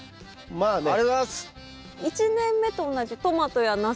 ありがとうございます！